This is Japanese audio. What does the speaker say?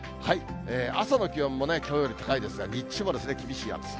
朝の気温もね、きょうより高いですが、日中も厳しい暑さ。